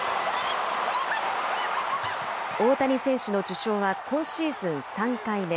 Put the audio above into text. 大谷選手の受賞は今シーズン３回目。